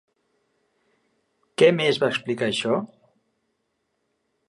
Què més va implicar això?